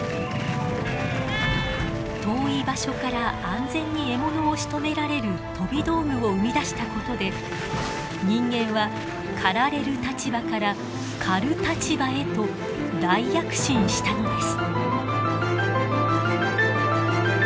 遠い場所から安全に獲物をしとめられる飛び道具を生み出したことで人間は狩られる立場から狩る立場へと大躍進したのです。